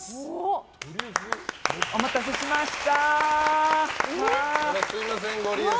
お待たせしました！